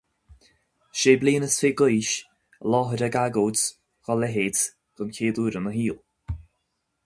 Sé bliana is fiche d'aois, i láthair ag agóid dá leithéid den chéad uair ina shaol.